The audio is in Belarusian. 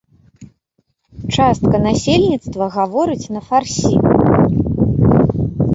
Частка насельніцтва гаворыць на фарсі.